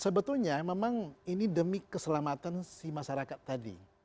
sebetulnya memang ini demi keselamatan si masyarakat tadi